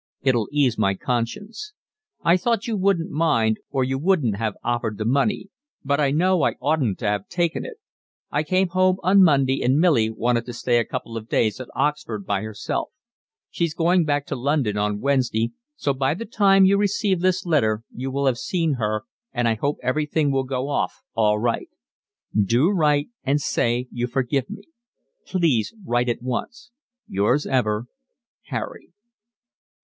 It'll ease my conscience. I thought you wouldn't mind or you wouldn't have offered the money. But I know I oughtn't to have taken it. I came home on Monday and Milly wanted to stay a couple of days at Oxford by herself. She's going back to London on Wednesday, so by the time you receive this letter you will have seen her and I hope everything will go off all right. Do write and say you forgive me. Please write at once. Yours ever, Harry.